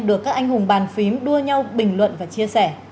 được các anh hùng bàn phím đua nhau bình luận và chia sẻ